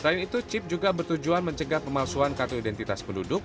selain itu chip juga bertujuan mencegah pemalsuan kartu identitas penduduk